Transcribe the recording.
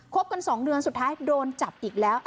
บกัน๒เดือนสุดท้ายโดนจับอีกแล้ว